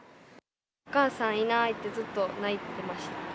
お母さんいないって、ずっと泣いてました。